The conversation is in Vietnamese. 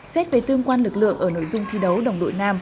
xét về tương quan lực lượng ở nội dung thi đấu đồng đội nam